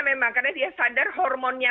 memang karena dia sadar hormonnya